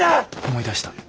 思い出した。